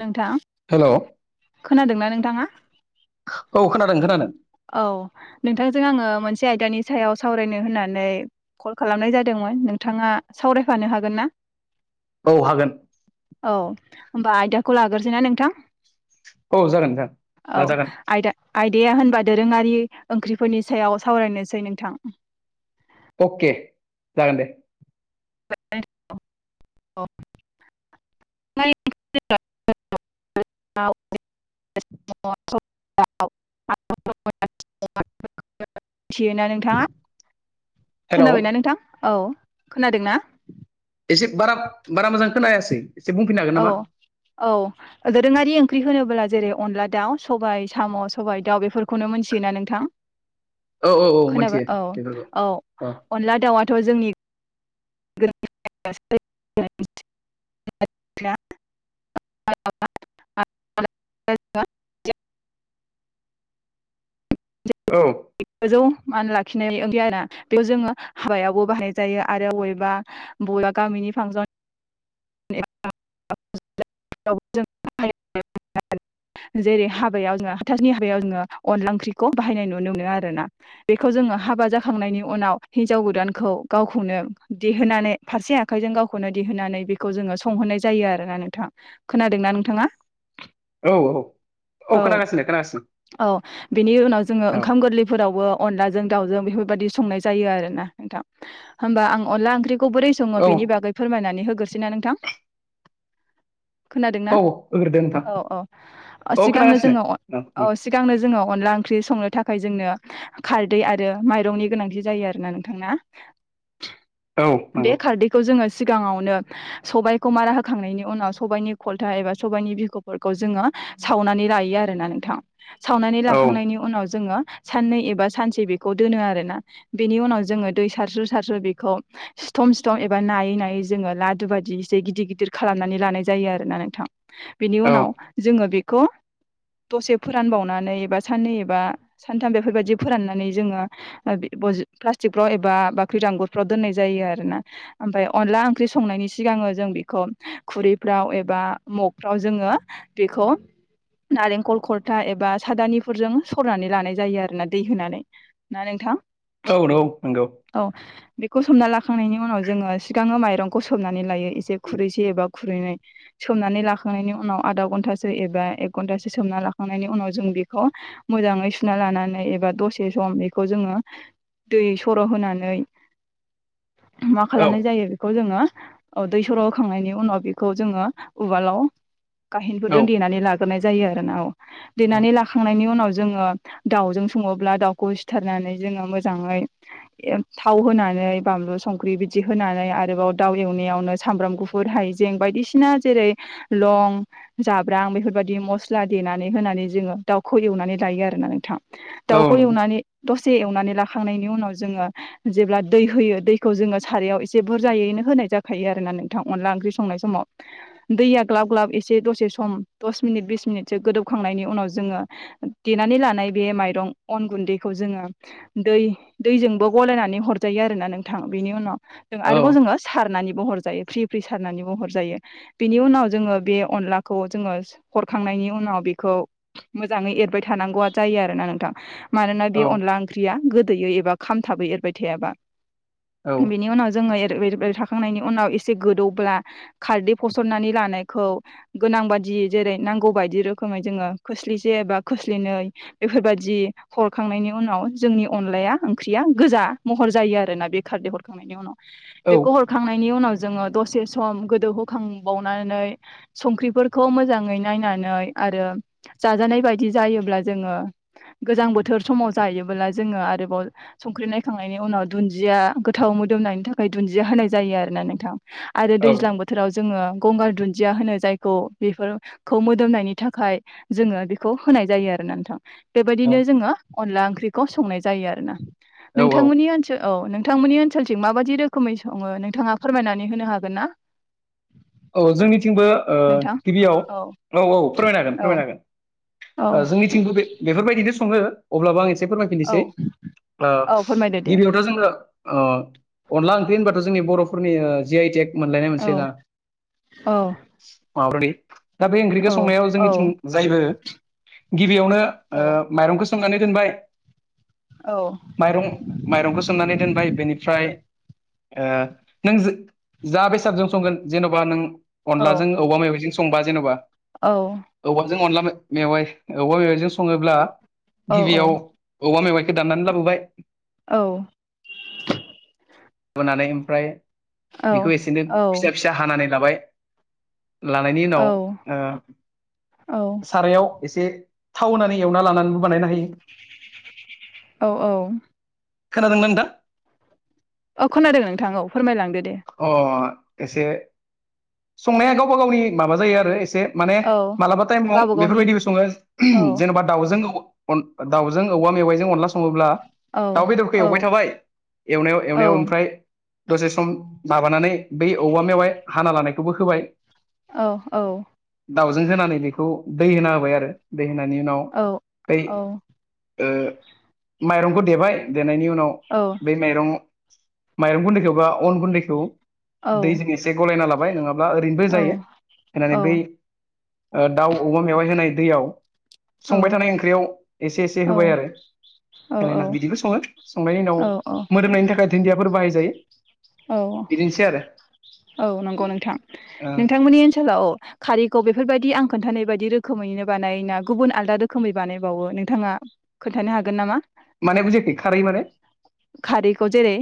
नोंथां हेलौ खोनादोंना नोंथाङा? औ खोनादों खोनादों औ नोंथांजों आङो मोनसे आयदानि सायाव सावरायनो होननानै कल खालामनाय जादोंमोन नोंथाङा सावरायफानो हागोन ना औ हागोन औ होमबा आयदयाखौ लाग्रोसै ना नोंथां औ जागोन औ नोंथां आयदा आय दाया होनबा दोरोङारि ओंख्रिफोरनि सायाव सावरायनोसै नोंथां अके जागोन दे [unintelligible] [unintelligible] मिथियोना नोंथाङा हेलौ खोनाबायना नोंथां औ खोनादोंना एसे बारा बारा मोजां खोनायासै एसे बुंफिननो हागोन औ नामा औ दोरोङारि ओंख्रि होनोब्ला जेरै अनला दाउ सबायाइ साम' सबाय दाउ बेफोर खौनो मोनथियोना नोंथां औ औ औ मोनथियो खोनाबाय औ बेफोरखौ औ अनला दाउआ थ' जोंनि [unintelligible] [unintelligible] [unintelligible] औ गोजौ मान लाखिनाय ओंख्रि आरो ना बेयाव जोङो हाबायावबो बाहायनाय जायो आरो बबेबा- बबेबा गामिनि फांसन [inaudible] [unintelligible] [unintelligible] जेरै हाबायाव जोङो हाथासुनि हाबायाव जोङो अनला ओंख्रिखौ बाहायनाय नुनो मोनो आरो ना बेखौ जोङो हाबा जाखांनायनि उनाव हिनजाव गोदानखौ गावखौनो देहोनानै फारसे आखाइजों गावखौनो बिदि होनानै बेखौ जोङो संहोनाय जायो आरो ना नोंथां खोनादों न नोंथाङा औ औ औ खोनागासिनो खोनागासिनो औ बिनि उनाव जोङो औ ओंखाम गोरलैफोरावबो अनलाजों दाउजों बेफोर बादि संनाय जायो आरोना नोंथां होमबा आं अनला ओंख्रिखौ बोरै सङो औ बेनि बागै फोरमनानै हो ना नोंथां खोनादों ना? औ होग्रोदो नोंथां औ औ सिगांनो जोंङो औ सिगांनो जोंङो अनला ओंख्रि संनो थाखाय जोंनो खारदै आरो माइरंनि गोनांथि जायो आरोना नोंथां ना औ बे नंगौ खारदैखौ जोंङो सिगाङावनो सबायखौ मारा होखांनायनि उनाव सबाइनि खलथा एबा सबायाइनि बिखुफोरखौ जोंङो सावनानै लायो आरोना नोंथां सावनानै औ लाखांनायनि उनाव जोंङो साननै एबा सानसे बेखौ दोनो आरोना बेनि उनाव जोंङो दै सारस्रु सारस्रु बेखौ सिथम सिथम एबा नायै नायै जोंङो लाद बायदि इसे गिदिर गिदिर खालामनानै लानाय जायो आरोना नोंथां बेनि औ उनाव जोंओ गुद दसे फोरानबावनानैबा साननै एबा सानथाम बेफोरबदि फोराननानै जोंङो फजि प्लास्टिक फ्राव एबा बाख्रि दांगुरफ्राव दोननाय जायो आरो ना ओमफ्राय अनला ओंख्रि संनायनि सि सिगाङो जों बिखौ खुरैफ्राव एबा मगफ्राव जोंङो बेखौ नारेंखल खलथा एबा सादानिफोरजों सरनानै लानाय जायो आरोना दै होनानै ना नोंथां? औ नंगौ नंगौ। औ बेखौ सोमना लाखांनायनि उनाव जोंङो सिगाङो माइरंखौ सोमना नै लायो एसे खुरैसे एबा खुरैनै सोमननानै लाखांनायनि उनाव आधा गन्थासो एबा एक गन्था सोमना लाखांनायनि उनाव जों बेखौ मोजाङै सुना लानानै एबा दसे सम बेखौ जोंङो दै सर होनानै मा औ खालामनाय जायो इखौ जोंङो औ दै सर होखांनायनि उनाव बिखौ जोंङो उवालाव औ गाहेनफोरजों देनानै लाग गोरनाय जायो आरोना औ देनानै लाखांनायनि उनाव जो जोंङो दावजों सङोब्ला दाउखौ सिथारनानै जोंङो मोजाङै थाव होनान नै बानलु संख्रि बिदि होनानै आरोबाव दाव एवनायाव नो सामब्राम गुफुर हायजें बापदिसिना जेरै लं जाब्रां बेफोरबादि मसला देनानै होनानै जोंङो दाउखौ एवनानै लायो आरो ना नोंथां औ दाउखौ नंगौ एवनानै दस से एवनानै लाखांनायनि उनाव जोंङो जेब्ला दै होयो दैखौ जोंङो सारयाव एसे बुरजायैनो होनाय जाख खायो आरोना नोंथां अनला ओंख्रि संनाय समाव दैया ग्लाब ग्लाब एसे दसे सम दस मिनिट बिस मिनिटसो गोदौखांनायनि उनाव जोंङो देनानै लानाय बे माइरं अन गुन्दैखौ जोंङो दै दैजोंबो गलायनानै हरजायो आरोना नोंथां बेनि उनाव जों औ आरोबाव जोंङो सारनानैब हरजायो फ्रि फ्रि सारनानै बो हरजायो बिनि उनाव जोंङो बे अनलाखौ जोंङो हरखांनायनि नि उनाव बेखौ मोजाङै एरबाय थानांगौ जायो आरोना नोंथां। मानोना बे औ अनला ओंख्रिया गोदोयो एबा खामथाबो एरबाय थायाबा। औ बिनि उनाव जोंङो एर एर एर था। खांनायनि उनाव एसे गोदौब्ला खारदै फसरननानै लानायखौ गोनां बादि जेरै नांगौ बायदि रोखोमै जोंङो खोस्लिसे एबा खोस्लिनै बेफोरबायदि हरखांनायनि उनाव जोंनि अनलाया ओंख्रिया गोजा महर जायो आरोना बे खारदै हरखांनायनि उनाव बेखौ हर नायनि उनाव जोंङो दसे सम गोदौ होखांबावनानै संख्रिफोरखौ मोजाङै नायनानै नायनानै आरो जाजानाय बायदि जायोब्ला जोंङो गोजां बोथोर समाव जायोबोला जोंङो आरोबाव संख्रि नायखांनायनि उनाव दुन्दिया गोथाव मोदोमनायनि थाखाय दुन्दिया होनाय जायो आरोना नोंथां आरो दैज्लां बोथोराव जोंङो गंगार दुन्दिया होनो जायखौ बेफोरखौ मोदोमनायनि थाखाय जोंङो बेखौ होनाय जायो आरोना नोंथां। औ बेबायदिनो जोंङो अनला ओंख्रिखौ संनाय जायो आरोना औ औ नोंथांमोननि ओनसो औ नोंथांमोननि ओनसोलथिं माबायदि रोखोमै संङो नोंथाङा फोरमायनानै होनो हागोन ना? औ जोंनिथिंबो ओ नोंथां गिबियाव औ औ फोरमायनो हागोन औ फोरमायनो हागोन। औ ओ जोंनिथिंबो बे बेफोरबायदिनो संङो अब्लाबो आं एस से औ फोरमायफिनोसै ओ औ फोरमायदो दे गिबियावथ जोंङो ओ अनला ओंख्रि होनबा थो जोंनि बरफोरनि जि आइ टेक मोनलायनाय औ मोनसे ना। औ। [inaudible] दा बे ओंख्रिखौ औ संनायाव औ जोंनिथिं जायबो गिबियावनो ओ औ माइरंखौ सो संनानै दोनबाय। औ माइरं माइरंखौ सोमनानै दोनबाय बेनिफ्राय ओ नों जा बेसादजों संगोन जेनबा नों औ अनलाजों औवा मेवायजों स संबा जेनबा। औ। औ [unintelligible] दाननानै लाबोबाय। औ। लाबोनानै ओमफ्राय औ बिखौ एसे दोन औ फिसा फिसा हानानै लाबाय। लानायनि उनाव औ ओ औ सारायाव एसे थाव होनानै एवना लानानैबो बानायनो हायो। औ औ खोनादोंना नोंथां? अ खोनादों नोंथां औ फोरमायलांदो दे अ एसे संनाया गावबा गावनि माबा जायो आरो ए माने औ मालाबा टाइमाव गावबा गावनि बेफोरबायदिबो सङो औ [unintelligible] जेनेबा दाउजों अन दाउजों औवा मेवाइजों अनला सं ङोब्ला औ दाउ बेदरखौ औ एवबाय थाबाय एवनायाव औ एवनायाव ओमफ्राय दसे सम माबानानै बै औवा मेवाय हाना लानायखौबो होबाय औ औ दाउजों होनानै बेखौ दै होना होबाय आरो दै होननि उनाव बै औ ओ माइरंखौ देबाय देनायनि उनाव बै माइरं माइरं गुन्दैखौ बा अन गुन्दैखौ दैजों एसे गलायना लाबाय नङाबा ओरैनोबो जायो होननानै बै दाउ अमा मेवाइ होनाय दैयाव संबाय थानाय ओंख्रियाव एसे एसे होबाय औ आरो बिदिखौ सङो संनायनि उनाव औ मोदोमनायनि थाखाय धोनदियाफोर बाहाय जायो औ औ नंगौ नोंथां ओ नोंथांमोननि ओनसोलाव खारै बेफोरबायदि आं खोन्थानाय बायदि रोखोमैनो बानाया गुबुन आलदा रोखोमै बानायबावो नोंथाङा खोनन्थानो हागोन नामा माने बुजिाखै खारै माने खारैखौ जेरै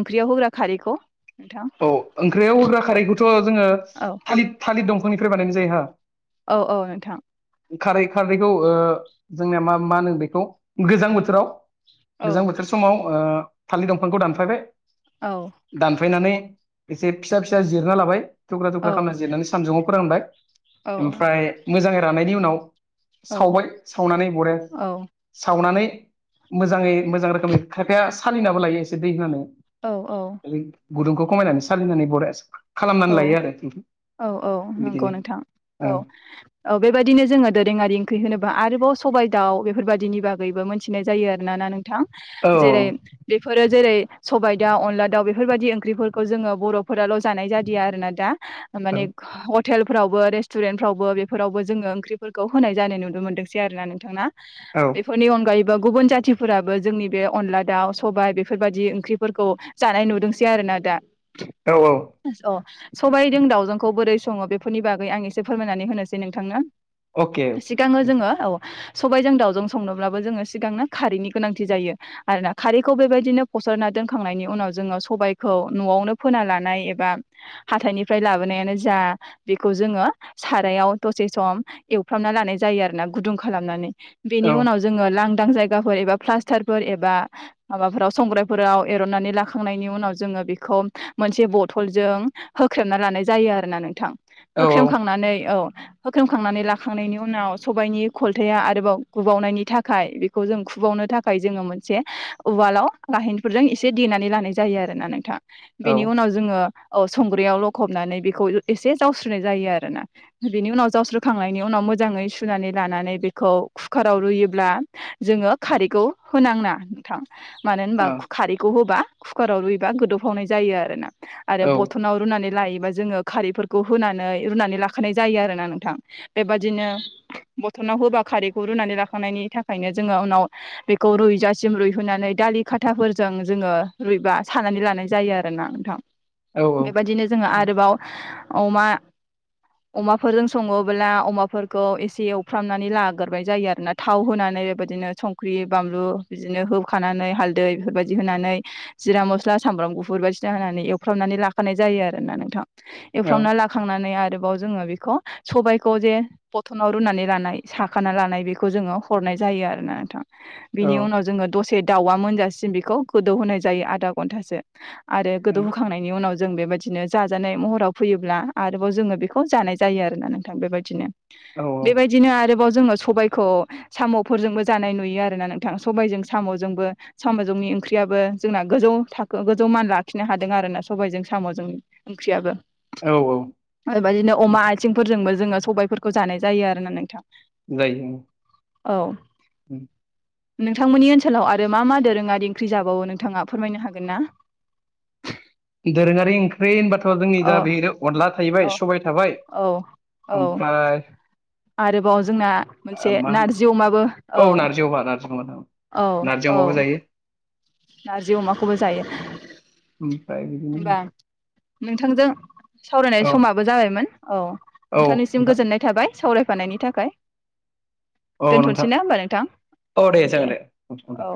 ओंख्रियाव होग्रा खारैखौ नोंथां औ ओंख्रियाव होग्रा खारैखौथ जोङो औ थालिर थालिर दंफांनिफ्राय बानायनाय जायो हा औ औ नोंथां खारै खारैखौ ओ जोंनिया मा मा होनो बेखौ गोजां बोथोराव औ गोजां बोथोर समाव ओ फालिर दंफांखौ दानफायबाय औ दानफायनानै एसे फिसा फिसा जिरना लाबाय थुख्रा थुख्रा औ खालामना जिरनानै सानदुङाव फोरानबाय औ ओमफ्राय मोजाङै राननायनि उनाव औ सावबाय सावनानै हरो सावनानै मोजाङै मोजां रोखोमै खायफाया सालिनाबो लायो एसे दै होनानै गुदुंखौ खमायनानै सालिनानै बरा औ खालामनानै लायो आरो औ औ नंगौ बिदिनो नोंथां औ औ बेबायदिनो जोङो दोरोङारि ओंख्रि होनोबा आरोबाव सबाय दाउ बेफोरबायदिनिबा यैबो मोनथिनाय जायो आर ना नोंथां औ जेरै बेफोरो जेरै सबाय दाउ अनला दाउ बेफोरबायादि ओंख्रिफोरखौ जोङो बरफोराल जानाय जादिया आरो ना दा माने [unintelligible] टेलफ्रावबो रेस्टुरेन्टफ्रावबो बेफोरावबो जोङो ओंख्रिफोरखौ होनाय जानाय नुनो मोनदोंसै आर ना नोंथां ना? औ बेफोरनि अनगायैबो बो गुबुन जाथिफोराबो जोंनि बे अनला दाउ सबाय बेफोरबायदि ओंख्रिफोरखौ जानाय नुदोंसै आर ना दा औ औ अ सबायजों दावजोंखौ बोरै सङो बेफोरनि बागै आं एसे फोरमायनानै होनोसै नोंथांनो अके अके सिगाङो जोङो औ सबायजों दाावजों संनोब्लाबो जोङो सिगांनो खारैनि गोनांथि जायो आरोना खारैखौ बेबायदिनो फसरनानै दोनखांनायनि उनाव जोङो सबायखौ न'आवनो फोना लानाय एबा बा हाथायनिफ्राय लाबोन जा बेखौ जोङो सारायाव दसे सम एवफ्रामनानै लानाय जायो आरोना गुुंदुं खालामनानै बेनि औ उनाव जोङो उदां जायगाफोर एबा प्लास्टारफोर एबा माबाफोराव संग्रायफोराव एरननानै लाखांनायनि उनाव जोङो बेखौ मोनसे बद थलजों होख्रेमना लानाय जायो आरोना नोंथां औ होख्रेमखांनानै औ होख्रेमखांनानै लाखांनायनि उनाव सबायाइनि खलथाया आरोबाव गुबावनायनि थाखाय बेखौ जों फुबावनो थाखाय जोङो मोनसे उवालाव गाहेनफोरजों एसे देनानै लानाय जायो आरो ना नोंथां औ बेनि उनाव जोङो औ संग्रायाव लखबनानै बेखौ एसे जावस्रनाय जायो आरोना बेनि उनाव जावस्रोखांनायनि उनाव मोजाङै सुनानै लानानै बेखौ कुकाराव रुयोब्ला जोङो खारैखौ होनां नोंथां मानो होनबा औ खारैखौ होबा कुकाराव रुइबा गोदौफावनाय जायो आरोना आरो औ बथनाव रुनानै लायो। जोङो खारैफोरखौ होनानै रुनानै लाखानाय जायो आरोना नोंथां बेबादिनो बरथनाव होबा खारैखौ रुनानै लाखांनायनि थाखायनो जोङो उनाव बेखौ रुइजासिम रुइहोनानै दालि खाथाफोरजों जोङो रुइबा सानानै लानाय जायो आरो ना नोंथां औ बेबायदिनो जोङो आरोबाव अमा अमाफोरजों सङोब्ला अमाफोरखौ एसे एवफ्रामनानै लाग्राय जायो आरोना थाव होनानै बेदिनो संखि बानलु बिदिनो होखानानै हालदै बेफोरबादि होनानै जिरा मस्ला सामब्राम गुफुर बायदिसिना होनानै एवफ्रामनानै लाखानाय जायो आरोना नोंथां एवफ्रामनानै लाखांनानै आरो जोङो बेखौ सबायखौ जे फथनाव रुनानै लानाय साखा लानाय बेखौ जोङो हरनाय नाय जायो आरो नोंथां। बिनि उनाव जोङो दसे दाउवआ मोनजासिम बेखौ गोदौ होनोनाय जायो आधा घन्टासो आरो गोदौ उनाव जों बेबायदिनो जाजानाय महराव फैयोब्ला आरोबाव जोङो बेखौ जानाय जायो आरोना नोंथां बेबायदिनो औ बेबायदिनो जोङो सबायखौ साम'फोरजोंबो जानाय नुयो आरोना नोंथां सबायजों साम'जोंबो साम'जोंनि ख्रियाबो जोंना गोजौ थाखो गोजौ मान लाखिनो हा दों आरोना सबायजों साम' ओंख्रियाबो औ ओरैनो अमा आथिं फोरजोंबो जोङो सबायफोरखौ जानाय जायो आरोना नोंथां जायो ओं औ [inaudible] नोंथांमोननि ओनसोलाव आरो मा मा दोरोङारि ओंख्रि जाबावो नोंथाङा फोरमायनो हागोन ना? दोरोङारि ओंख्रि होनबाथ' जोंनि औ दा बे अनला औ थाहैबाय सबाय थाबाय। औ औ ओमफ्राय आरोबाव जोंना मोनसे ओ मा होनो नारजि अमाबो औ नारजि अमा नारजि अमा औ नारजि औ अमाबो जायो नारजि अमाखौबो जायो। ओमफ्राय बिदिनो होनबा नोंथांजों सावरायनाय औ समाबो जाबायमोन औ औ नोंथांनिसिम नोंथां गोजोननाय थाबाय सावराय बानायनि थाखाय औ दोनथ'सै नोंथां ना होमबा नोंथां औ दे औ